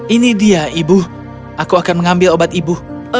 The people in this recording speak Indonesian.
ini dia ibu aku akan mengambil obat ibu